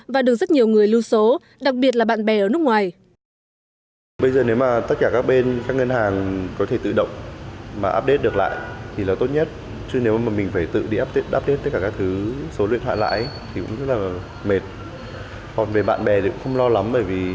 và được rất nhiều người lưu số đặc biệt là bạn bè ở nước ngoài